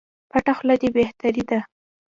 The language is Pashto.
پټه خوله دي بهتري ده